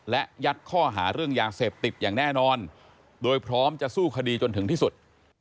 และยัดข้อหาเรื่องยาเสพติดอย่างแน่นอนโดยพร้อมจะสู้คดีจนถึงที่สุด